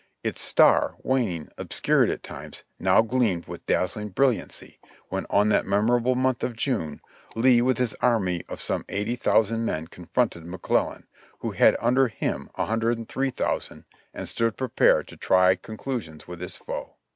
Its star, waning, obscured at times, now gleamed with dazzling bril liancy, when on that memorable month of June, Lee with his army of some 80,000 m^n confronted McClellan, who had under him 103,000, and stood prepared to try conclusions with his foe.